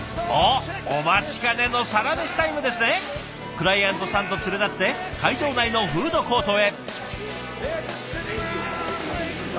クライアントさんと連れ立って会場内のフードコートへ。